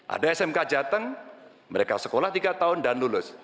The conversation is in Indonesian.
ada smk jateng mereka sekolah tiga tahun dan lulus